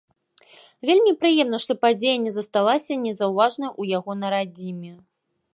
Вельмі прыемна, што падзея не засталася незаўважанай у яго на радзіме.